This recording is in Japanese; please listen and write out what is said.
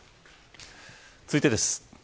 続いてです。